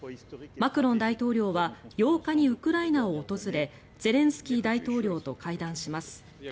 マクロン大統領は８日にウクライナを訪れゼレンスキー大統領と会談します。